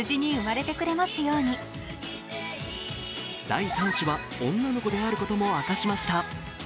第３子は女の子であることも明かしました。